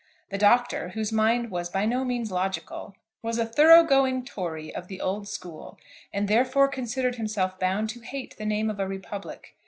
The Doctor, whose mind was by no means logical, was a thoroughgoing Tory of the old school, and therefore considered himself bound to hate the name of a republic.